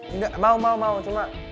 enggak mau mau mau cuma